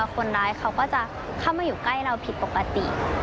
ฟังเสียงของนักศึกษาหญิงเล่าเรื่องนี้ให้ฟังหน่อยครับ